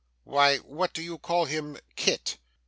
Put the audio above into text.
'Why, what do you call him Kit.